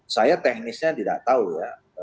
saya teknisnya tidak tahu ya